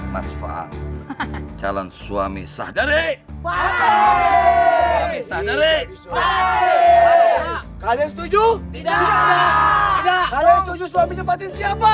masfa calon suami sadari sadari kalian setuju tidak ada suami nyebatin siapa